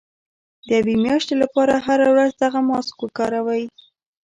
د يوې مياشتې لپاره هره ورځ دغه ماسک وکاروئ.